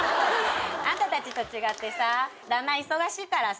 あんたたちと違ってさ旦那忙しいからさ